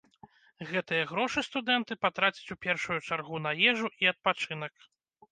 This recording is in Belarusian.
Гэтыя грошы студэнты патрацяць у першую чаргу на ежу і адпачынак.